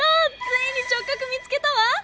ついに直角見つけたわ！